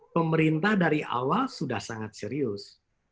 pemerintah dari awal sudah sangat serius